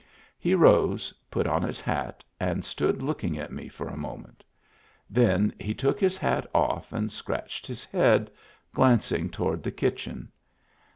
He rose, put on his hat, and stood looking at me for a moment Then he took his hat off and scratched his head, glancing toward the kitchen.